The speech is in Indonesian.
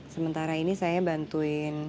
sementara ini saya bantuin